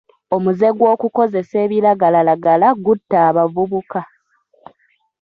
Omuze gw'okukozesa ebiragalalagala gutta abavubuka.